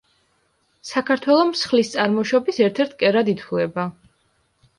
საქართველო მსხლის წარმოშობის ერთ-ერთ კერად ითვლება.